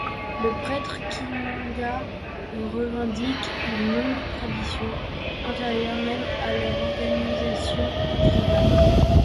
Les prêtres Kinga revendiquent une longue tradition, antérieure même à leur organisation tribale.